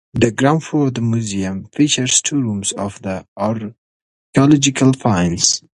The ground floor of the museum features two rooms of archaeological finds.